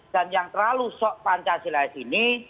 dan yang terlalu sok pancasilais ini